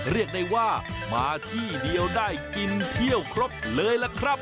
เรียกได้ว่ามาที่เดียวได้กินเที่ยวครบเลยล่ะครับ